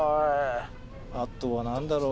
あとは何だろう。